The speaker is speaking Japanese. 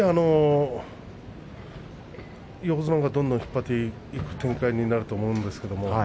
横綱がどんどん引っ張っていく展開になると思うんですけれど